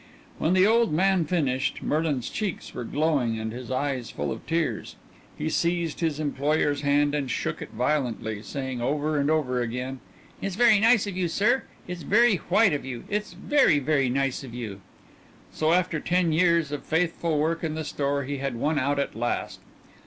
When the old man finished, Merlin's cheeks were glowing and his eyes full of tears. He seized his employer's hand and shook it violently, saying over and over again: "It's very nice of you, sir. It's very white of you. It's very, very nice of you." So after ten years of faithful work in the store he had won out at last.